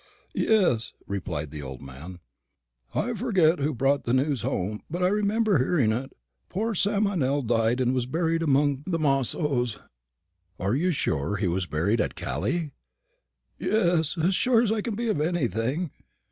"Yes," replied the old man; "I forget who brought the news home, but I remember hearing it. Poor Sam Meynell died and was buried amongst the Mossoos." "You are sure he was buried at Calais?" "Yes, as sure as I can be of anything.